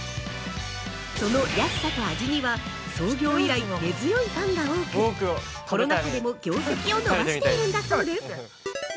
その安さと味には創業以来、根強いファンが多くコロナ禍でも業績を伸ばしているんだそうです。